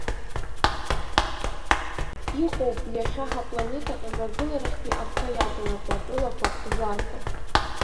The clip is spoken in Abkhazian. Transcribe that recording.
Иҟоуп иахьа ҳапланета амрагыларахьтәи ахәҭа иаҵанакуа тәылақәак, жәларқәак.